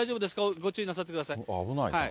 ご注意なさってください。